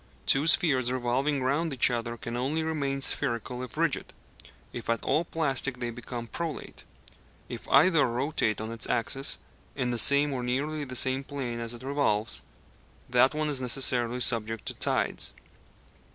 Two spheres revolving round each other can only remain spherical if rigid; if at all plastic they become prolate. If either rotate on its axis, in the same or nearly the same plane as it revolves, that one is necessarily subject to tides.